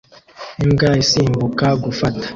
Imbwa isimbuka gufata